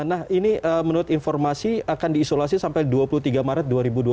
nah ini menurut informasi akan diisolasi sampai dua puluh tiga maret dua ribu dua puluh